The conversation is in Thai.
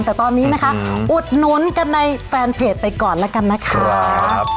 แต่ตอนนี้นะคะอุดหนุนกันในแฟนเพจไปก่อนแล้วกันนะครับ